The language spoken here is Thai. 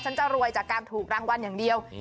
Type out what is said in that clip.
จะรวยจากการถูกรางวัลอย่างเดียว